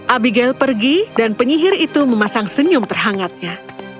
abigail pergi dan penyihir itu memasang senyum terhangatnya